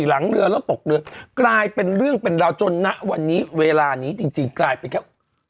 หลังเรือแล้วตกเรือกลายเป็นเรื่องเป็นราวจนณวันนี้เวลานี้จริงจริงกลายเป็นแค่